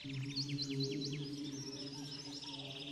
ঈদের দিন সন্তানদের পছন্দের নানা খাবার রান্নার ইচ্ছা আছে বলেও জানালেন।